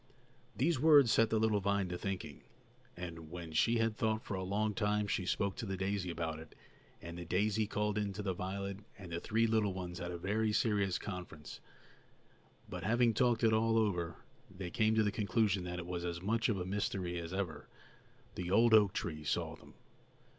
These words set the little vine to thinking; and when she had thought for a long time she spoke to the daisy about it, and the daisy called in the violet, and the three little ones had a very serious conference; but, having talked it all over, they came to the conclusion that it was as much of a mystery as ever. The old oak tree saw them.